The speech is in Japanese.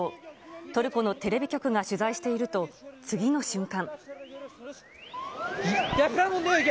トルコのテレビ局が取材していると次の瞬間。